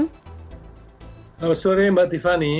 selamat sore mbak tiffany